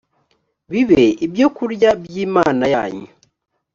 bibe ibyo kurya by imana yanyu